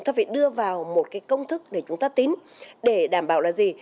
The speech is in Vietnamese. thưa vào một cái công thức để chúng ta tính để đảm bảo là gì